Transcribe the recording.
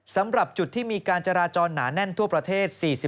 สำหรับจุดที่มีการจราจรหนาแน่นทั่วประเทศ